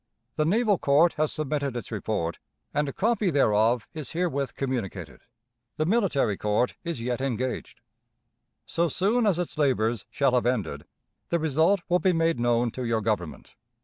The naval court has submitted its report, and a copy thereof is herewith communicated. The military court is yet engaged. So soon as its labors shall have ended, the result will be made known to your Government.